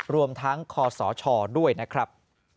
รวมทั้งคศด้วยนะครับ